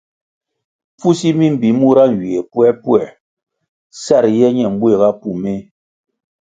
Pfusi mi mbi mura nywie puerpuer sa riye ñe mbuéhga pú méh.